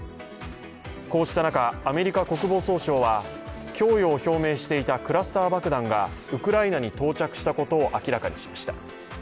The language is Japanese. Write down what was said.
こうした中、アメリカ国防総省は供与を表明していたクラスター爆弾がウクライナに到着したことを明らかにしました。